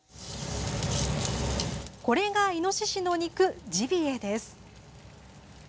これが、いのししの肉ジビエです。